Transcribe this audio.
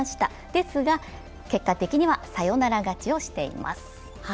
ですが、結果的にはサヨナラ勝ちをしています。